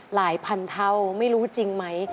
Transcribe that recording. หลายพันเท่าไม่รู้จริงไหม